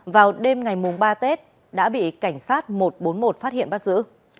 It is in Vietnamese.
vào đêm ngày ba tết đã bị cảnh sát một trăm bốn mươi một phát hiện bắt giữ